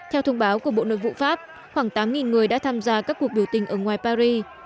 theo thông báo của bộ nội vụ pháp khoảng tám người đã tham gia các cuộc biểu tình ở ngoài paris